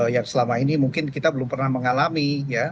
yang selama ini mungkin kita belum pernah mengalami ya